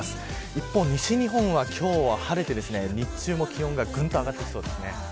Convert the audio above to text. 一方、西日本は今日は晴れて日中も気温がぐんと上がりそうです。